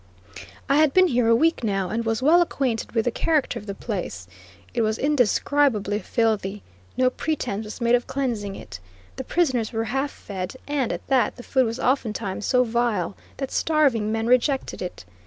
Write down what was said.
I had been here a week now, and was well acquainted with the character of the place. It was indescribably filthy; no pretence was made of cleansing it. The prisoners were half fed, and, at that, the food was oftentimes so vile that starving men rejected it.